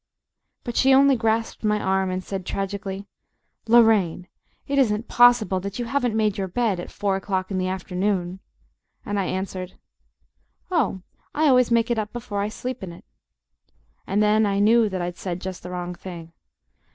But she only grasped my arm and said, tragically: "Lorraine, it isn't POSSIBLE that you haven't made your bed at four o'clock in the afternoon!" And I answered: "Oh, I always make it up before I sleep in it." And then I knew that I'd said just the wrong thing.